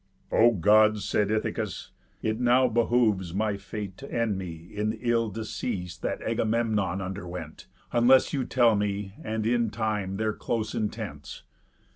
"O Gods," said Ithacus, "it now behoves My fate to end me in the ill decease That Agamemnon underwent, unless You tell me, and in time; their close intents.